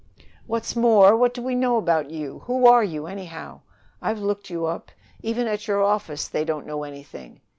"What's more, what do we know about you? Who are you, anyhow? I've looked you up. Even at your office they don't know anything.